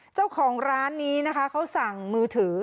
เจ้าของร้านนี้นะคะเขาสั่งมือถือ